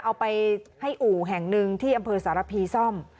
เอาไปให้อู่แห่งหนึ่งที่อำเภอสารพีซ่อม